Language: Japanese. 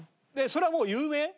それはもう有名？